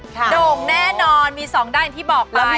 เดิ้นดั้งโด่งแน่นอนมีสองด้านที่บอกไป